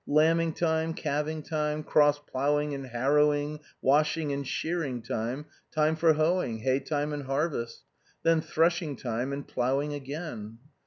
Lambing time, calving time, cross ploughing and harrowing, washing and shearing time, time for hoeing; hay time and harvest. Then threshing time and ploughing again.